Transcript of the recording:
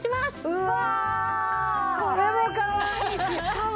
うわ！